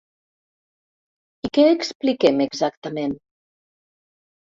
I què expliquem, exactament?